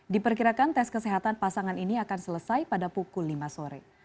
diperkirakan tes kesehatan pasangan ini akan selesai pada pukul lima sore